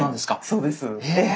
そうです。え！